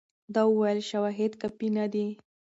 ده وویل شواهد کافي نه دي.